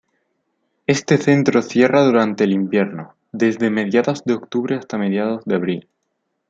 Este centro cierra durante el invierno, desde mediados de octubre hasta mediados de abril.